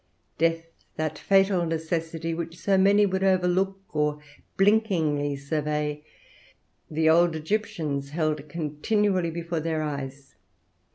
Death, that fatal necessity which so many would overlook or blinkingly survey, the old Egyptians held continually before their eyes.